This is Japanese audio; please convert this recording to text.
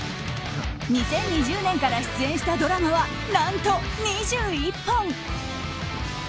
２０２０年から出演したドラマは何と、２１本！